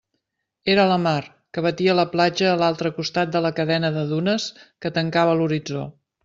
Era la mar, que batia la platja a l'altre costat de la cadena de dunes que tancava l'horitzó.